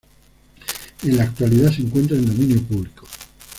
En la actualidad se encuentra en dominio público.